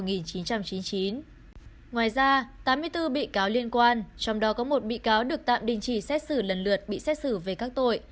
ngoài ra tám mươi bốn bị cáo liên quan trong đó có một bị cáo được tạm đình chỉ xét xử lần lượt bị xét xử về các tội